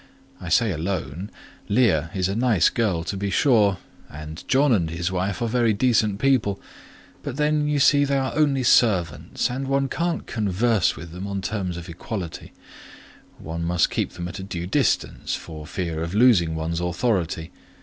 I say alone—Leah is a nice girl to be sure, and John and his wife are very decent people; but then you see they are only servants, and one can't converse with them on terms of equality: one must keep them at due distance, for fear of losing one's authority.